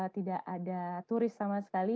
tidak ada turis sama sekali